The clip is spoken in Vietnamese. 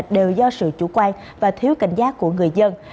đều do sự chủ quan và thiếu cảnh giác của người dân